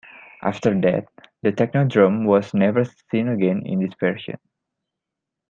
After that, the Technodrome was never seen again in this version.